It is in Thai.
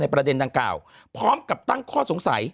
ประเด็นดังกล่าวพร้อมกับตั้งข้อสงสัย